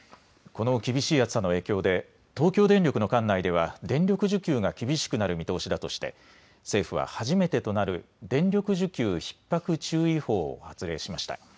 この厳しい暑さの影響で東京電力の管内では電力需給が厳しくなる見通しだとして政府は初めてとなる電力需給ひっ迫注意報を発令しました。